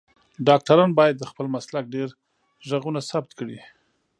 ډاکټران باید د خپل مسلک ډیر غږونه ثبت کړی